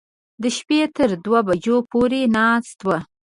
د شپې تر دوو بجو پورې ناست و.